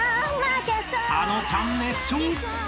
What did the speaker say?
［あのちゃん熱唱］